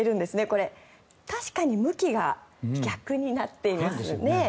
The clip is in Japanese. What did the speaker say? これ、確かに向きが逆になっていますよね。